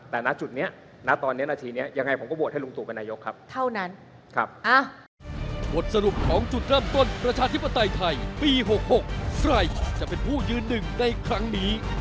แต่ณจุดเนี่ยณตอนเนี่ยณทีเนี่ยยังไงผมก็โหวตให้ลุงตูเป็นนายกครับ